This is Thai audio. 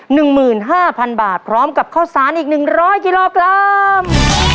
หนึ่งหมื่นห้าพันบาทพร้อมกับข้าวสารอีกหนึ่งร้อยกิโลกรัม